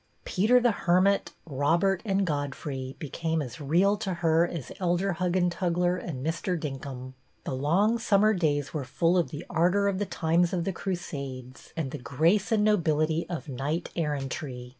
Peter the Hermit, Robert, and Godfrey, became as real to her as Elder Huggentugler and Mr. Dinkum. The long summer days were full of the ardor of the times of the Crusades and the grace and nobility of knight errantry.